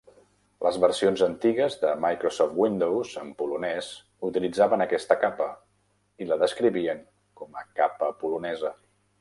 Les versions antigues de Microsoft Windows en polonès utilitzaven aquesta capa, i la descrivien com a "capa polonesa".